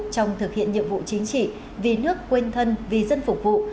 trong thực hiện nhiệm vụ chính trị vì nước quên thân vì dân phục vụ